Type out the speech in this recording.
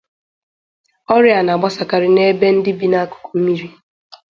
Ọrịa a n'agbasakarị n'ebe ndị bi n'akụkụ mmiri.